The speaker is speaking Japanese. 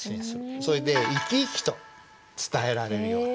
それで生き生きと伝えられるようになる。